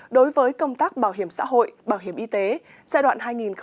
đối với công tác bảo hiểm xã hội bảo hiểm y tế giai đoạn hai nghìn một mươi sáu hai nghìn hai mươi